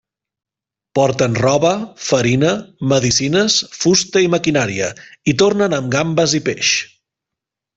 Porten roba, farina, medicines, fusta i maquinària i tornen amb gambes i peix.